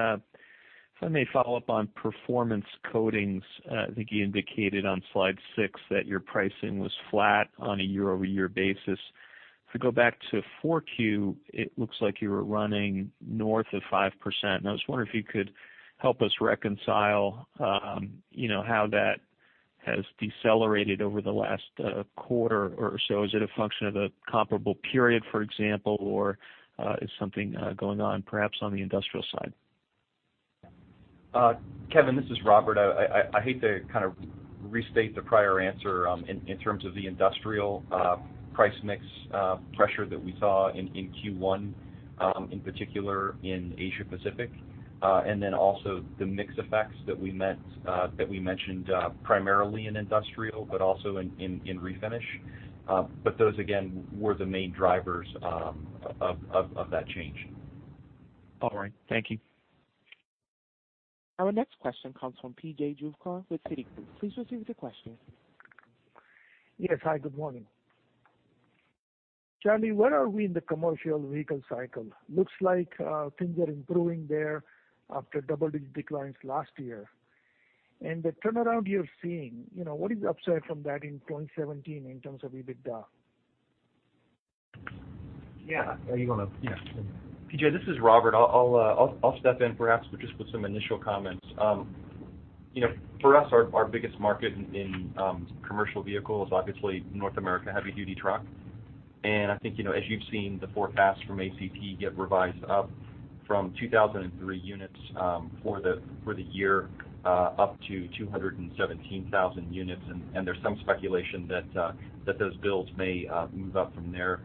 if I may follow up on performance coatings. I think you indicated on slide six that your pricing was flat on a year-over-year basis. If I go back to 4Q, it looks like you were running north of 5%, I was wondering if you could help us reconcile how that has decelerated over the last quarter or so. Is it a function of a comparable period, for example, or is something going on perhaps on the industrial side? Kevin, this is Robert. I hate to kind of restate the prior answer in terms of the industrial price mix pressure that we saw in Q1, in particular in Asia-Pacific. Then also the mix effects that we mentioned primarily in industrial, but also in refinish. Those again, were the main drivers of that change. All right. Thank you. Our next question comes from P.J. Juvekar with Citigroup. Please proceed with your question. Yes. Hi, good morning. Charlie, where are we in the commercial vehicle cycle? Looks like things are improving there after double-digit declines last year. The turnaround you're seeing, what is the upside from that in 2017 in terms of EBITDA? Yeah. P.J., this is Robert. I'll step in perhaps just with some initial comments. For us, our biggest market in commercial vehicle is obviously North America, heavy duty truck. I think, as you've seen the forecast from ACT get revised up from 2,003 units for the year up to 217,000 units, there's some speculation that those builds may move up from there.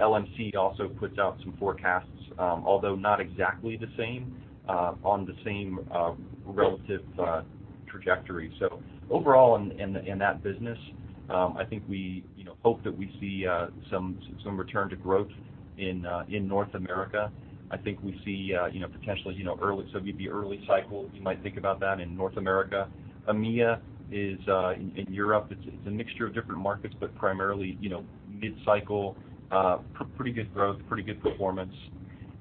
LMC also puts out some forecasts, although not exactly the same, on the same relative trajectory. Overall in that business, I think we hope that we see some return to growth in North America. I think we see potentially early, so it'd be early cycle, if you might think about that in North America. EMEA is, in Europe, it's a mixture of different markets, but primarily mid cycle, pretty good growth, pretty good performance.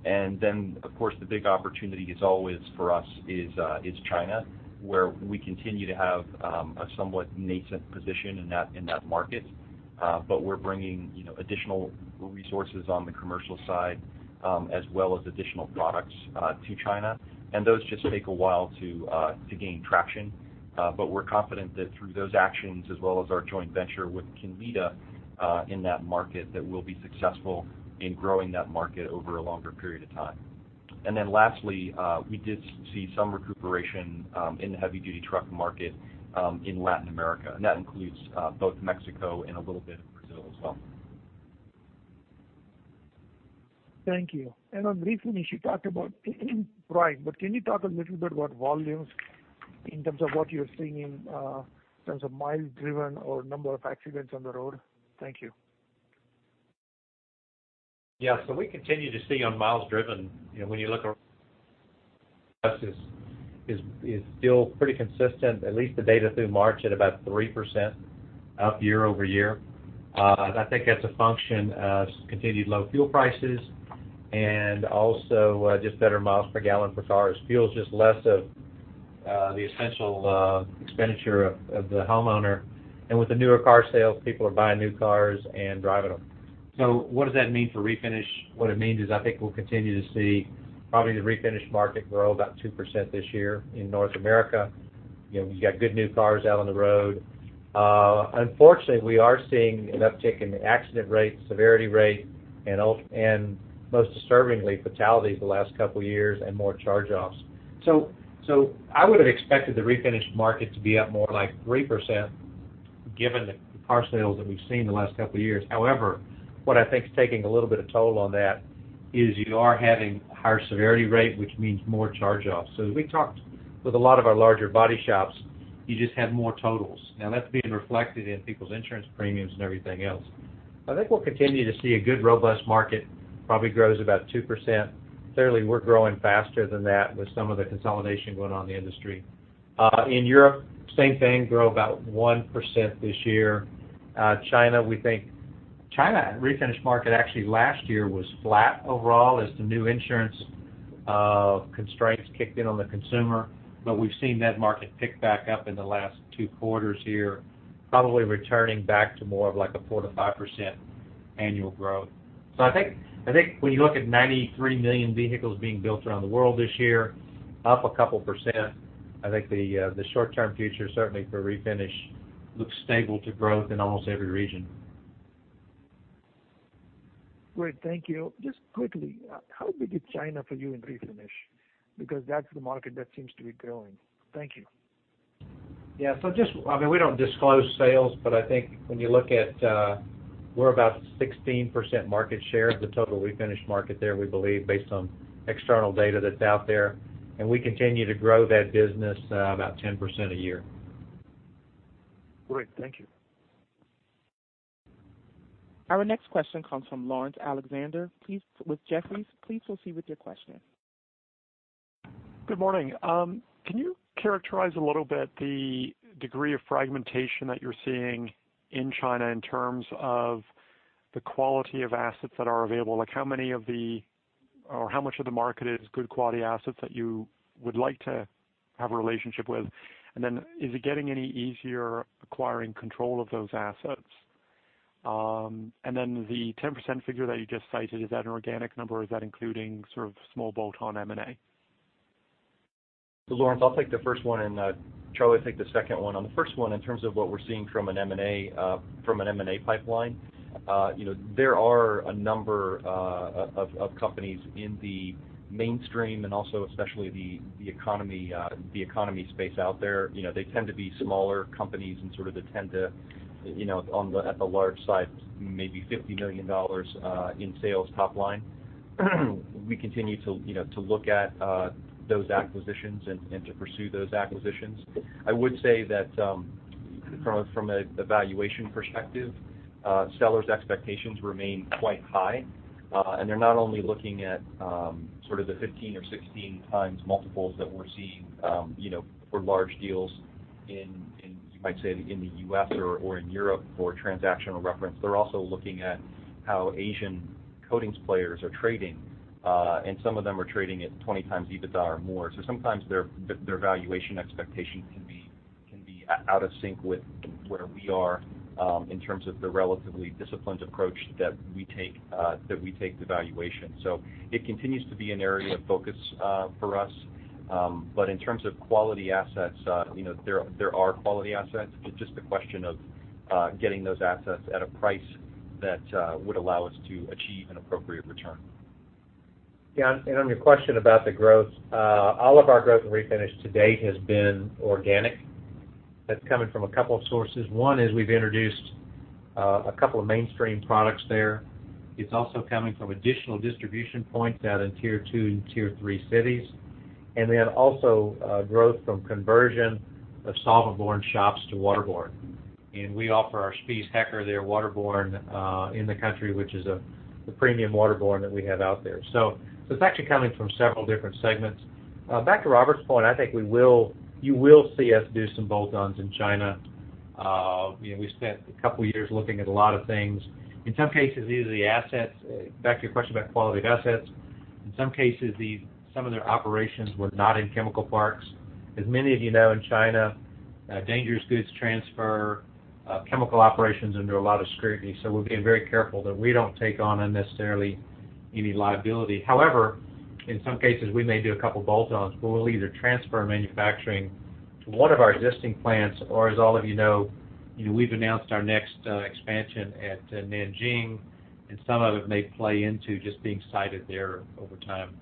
Of course, the big opportunity is always for us is China, where we continue to have a somewhat nascent position in that market. We're bringing additional resources on the commercial side, as well as additional products to China. Those just take a while to gain traction. We're confident that through those actions, as well as our joint venture with Kinlita in that market, that we'll be successful in growing that market over a longer period of time. Lastly, we did see some recuperation in the heavy-duty truck market in Latin America, and that includes both Mexico and a little bit of Brazil as well. Thank you. On refinish, you talked about price, can you talk a little bit about volumes in terms of what you're seeing in terms of miles driven or number of accidents on the road? Thank you. We continue to see on miles driven, when you look, it is still pretty consistent, at least the data through March at about 3% up year-over-year. I think that's a function of continued low fuel prices and also just better miles per gallon for cars. Fuel is just less of the essential expenditure of the homeowner. With the newer car sales, people are buying new cars and driving them. What does that mean for refinish? What it means is I think we'll continue to see probably the refinish market grow about 2% this year in North America. We've got good new cars out on the road. Unfortunately, we are seeing an uptick in accident rates, severity rate, and most disturbingly, fatalities the last couple of years and more charge-offs. I would have expected the refinish market to be up more like 3%, given the car sales that we've seen the last couple of years. However, what I think is taking a little bit of toll on that is you are having a higher severity rate, which means more charge-offs. As we talked with a lot of our larger body shops, you just have more totals. Now, that's being reflected in people's insurance premiums and everything else. I think we'll continue to see a good, robust market, probably grows about 2%. Clearly, we're growing faster than that with some of the consolidation going on in the industry. In Europe, same thing, grow about 1% this year. China, refinish market actually last year was flat overall as the new insurance constraints kicked in on the consumer. We've seen that market pick back up in the last two quarters here, probably returning back to more of a 4%-5% annual growth. I think when you look at 93 million vehicles being built around the world this year, up a couple percent, I think the short-term future, certainly for refinish, looks stable to growth in almost every region. Great. Thank you. Just quickly, how big is China for you in refinish? Because that's the market that seems to be growing. Thank you. Yeah. We don't disclose sales, but I think when you look at, we're about 16% market share of the total refinish market there, we believe, based on external data that's out there. We continue to grow that business about 10% a year. Great. Thank you. Our next question comes from Laurence Alexander with Jefferies. Please proceed with your question. Good morning. Can you characterize a little bit the degree of fragmentation that you're seeing in China in terms of the quality of assets that are available? Is it getting any easier acquiring control of those assets? The 10% figure that you just cited, is that an organic number, or is that including sort of small bolt-on M&A? Laurence, I'll take the first one, Charlie take the second one. On the first one, in terms of what we're seeing from an M&A pipeline, there are a number of companies in the mainstream and also especially the economy space out there. They tend to be smaller companies and sort of, at the large side, maybe $50 million in sales top line. We continue to look at those acquisitions and to pursue those acquisitions. I would say that from a valuation perspective, sellers' expectations remain quite high. They're not only looking at sort of the 15 or 16 times multiples that we're seeing for large deals in, you might say, in the U.S. or in Europe for transactional reference. They're also looking at how Asian coatings players are trading. Some of them are trading at 20 times EBITDA or more. Sometimes their valuation expectation can be out of sync with where we are in terms of the relatively disciplined approach that we take to valuation. It continues to be an area of focus for us. In terms of quality assets, there are quality assets. It's just a question of getting those assets at a price that would allow us to achieve an appropriate return. Yeah, on your question about the growth, all of our growth in refinish to date has been organic. That is coming from a couple of sources. One is we have introduced a couple of mainstream products there. It is also coming from additional distribution points out in Tier 2 and Tier 3 cities, then also growth from conversion of solvent-borne shops to waterborne. We offer our Spies Hecker, their waterborne in the country, which is the premium waterborne that we have out there. It is actually coming from several different segments. Back to Robert's point, I think you will see us do some bolt-ons in China. We spent a couple of years looking at a lot of things. In some cases, these are the assets. Back to your question about quality of assets. In some cases, some of their operations were not in chemical parks. As many of you know, in China, dangerous goods transfer, chemical operations under a lot of scrutiny. We are being very careful that we do not take on unnecessarily any liability. However, in some cases, we may do a couple of bolt-ons, but we will either transfer manufacturing to one of our existing plants, or as all of you know, we have announced our next expansion at Nanjing, and some of it may play into just being sited there over time.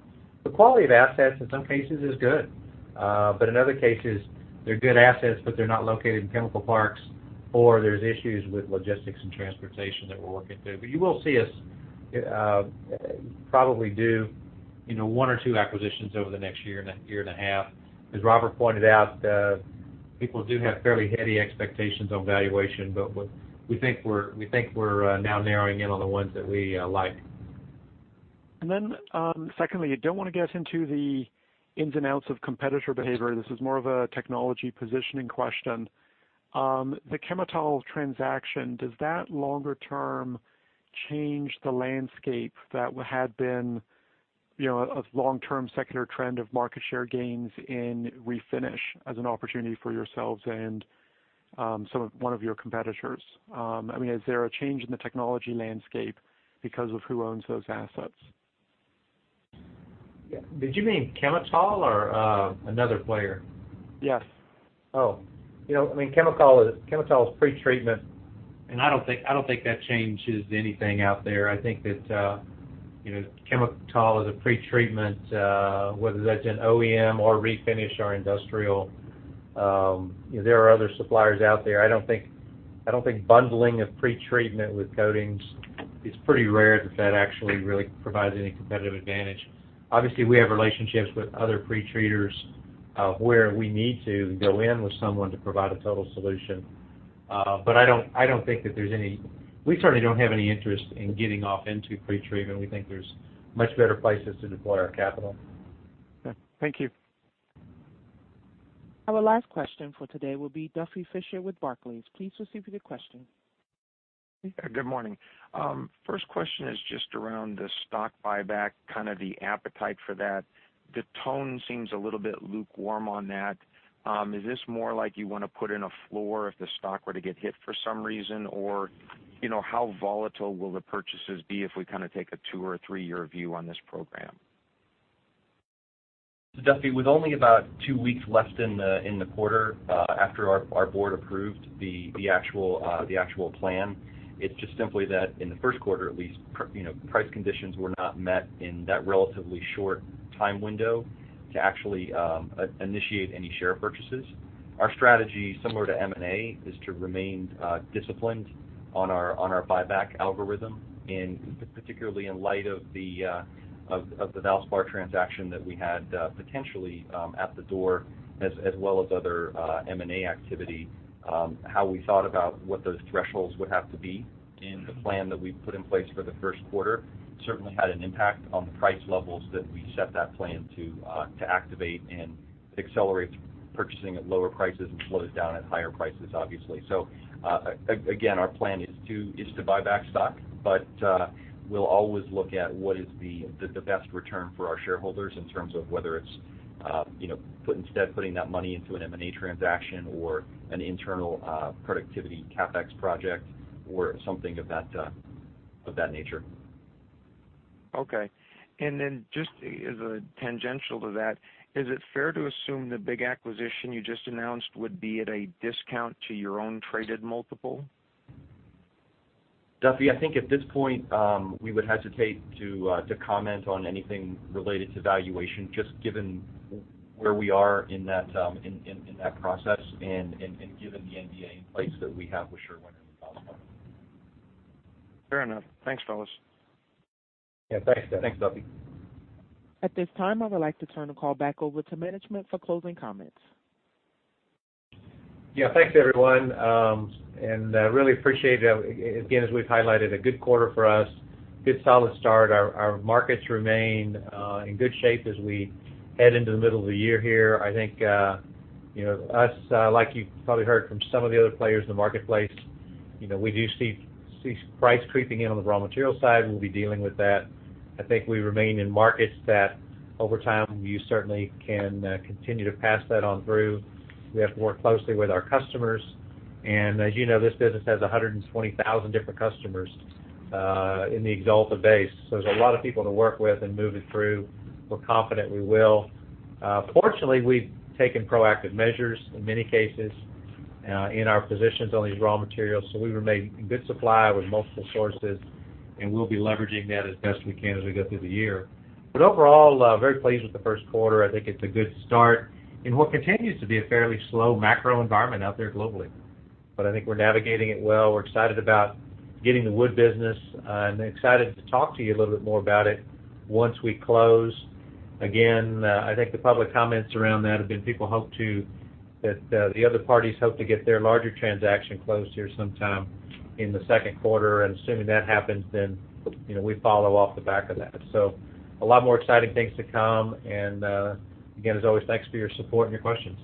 The quality of assets in some cases is good. In other cases, they are good assets, but they are not located in chemical parks, or there are issues with logistics and transportation that we are working through. You will see us probably do one or two acquisitions over the next year and a half. As Robert pointed out, people do have fairly heady expectations on valuation, but we think we are now narrowing in on the ones that we like. Then, secondly, I do not want to get into the ins and outs of competitor behavior. This is more of a technology positioning question. The Chemetall transaction, does that longer term change the landscape that had been, a long-term secular trend of market share gains in refinish as an opportunity for yourselves and one of your competitors? Is there a change in the technology landscape because of who owns those assets? Did you mean Chemetall or another player? Yes. Oh. Chemetall is pretreatment. I don't think that changes anything out there. I think that Chemetall is a pretreatment, whether that's an OEM or refinish or industrial. There are other suppliers out there. I don't think bundling of pretreatment with coatings, it's pretty rare that actually really provides any competitive advantage. Obviously, we have relationships with other pretreaters, where we need to go in with someone to provide a total solution. We certainly don't have any interest in getting off into pretreatment. We think there's much better places to deploy our capital. Okay. Thank you. Our last question for today will be Duffy Fischer with Barclays. Please proceed with your question. Good morning. First question is just around the stock buyback, the appetite for that. The tone seems a little bit lukewarm on that. Is this more like you want to put in a floor if the stock were to get hit for some reason? Or how volatile will the purchases be if we take a two or a three-year view on this program? Duffy, with only about two weeks left in the quarter after our board approved the actual plan, it's just simply that in the first quarter, at least, price conditions were not met in that relatively short time window to actually initiate any share purchases. Our strategy, similar to M&A, is to remain disciplined on our buyback algorithm, and particularly in light of the Valspar transaction that we had potentially at the door, as well as other M&A activity, how we thought about what those thresholds would have to be in the plan that we put in place for the first quarter certainly had an impact on the price levels that we set that plan to activate and accelerate purchasing at lower prices and slow it down at higher prices, obviously. Again, our plan is to buy back stock, but we'll always look at what is the best return for our shareholders in terms of whether it's instead putting that money into an M&A transaction or an internal productivity CapEx project or something of that nature. Okay. Just as a tangential to that, is it fair to assume the big acquisition you just announced would be at a discount to your own traded multiple? Duffy, I think at this point, we would hesitate to comment on anything related to valuation, just given where we are in that process and given the NDA in place that we have with Sherwin and Valspar. Fair enough. Thanks, fellas. Yeah, thanks, Duffy. At this time, I would like to turn the call back over to management for closing comments. Thanks everyone. Really appreciate it. As we've highlighted, a good quarter for us, good solid start. Our markets remain in good shape as we head into the middle of the year here. I think, like you probably heard from some of the other players in the marketplace, we do see price creeping in on the raw material side. We'll be dealing with that. I think we remain in markets that over time you certainly can continue to pass that on through. We have to work closely with our customers. As you know, this business has 120,000 different customers in the Axalta base. There's a lot of people to work with and move it through. We're confident we will. Fortunately, we've taken proactive measures in many cases in our positions on these raw materials. We remain in good supply with multiple sources. We'll be leveraging that as best we can as we go through the year. Overall, very pleased with the first quarter. I think it's a good start in what continues to be a fairly slow macro environment out there globally. I think we're navigating it well. We're excited about getting the wood business. Excited to talk to you a little bit more about it once we close. I think the public comments around that have been that the other parties hope to get their larger transaction closed here sometime in the second quarter. Assuming that happens, we follow off the back of that. A lot more exciting things to come. As always, thanks for your support and your questions.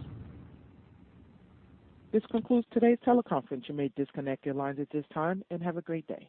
This concludes today's teleconference. You may disconnect your lines at this time. Have a great day.